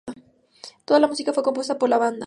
Toda la música fue compuesta por la banda.